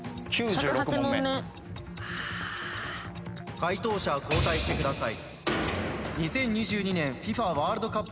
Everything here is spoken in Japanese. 解答者交代してください。